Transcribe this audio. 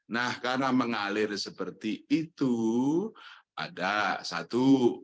nah karena mengalir seperti itu ada satu